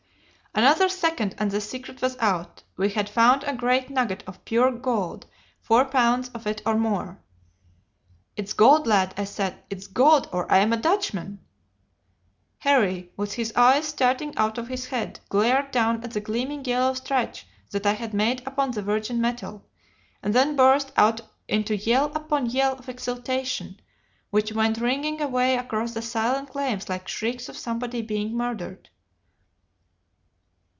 "Another second and the secret was out, we had found a great nugget of pure gold, four pounds of it or more. 'It's gold, lad,' I said, 'it's gold, or I'm a Dutchman!' "Harry, with his eyes starting out of his head, glared down at the gleaming yellow scratch that I had made upon the virgin metal, and then burst out into yell upon yell of exultation, which went ringing away across the silent claims like shrieks of somebody being murdered.